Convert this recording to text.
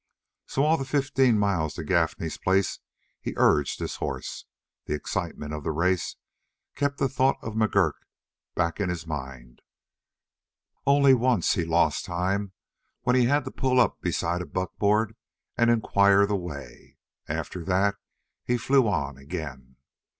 So all the fifteen miles to Gaffney's place he urged his horse. The excitement of the race kept the thought of McGurk back in his mind. Only once he lost time when he had to pull up beside a buckboard and inquire the way. After that he flew on again.